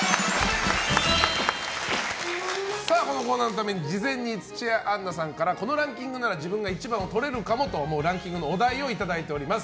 このコーナーのために事前に土屋アンナさんからこのランキングなら自分が１番をとれるかもと思うランキングのお題をいただいております。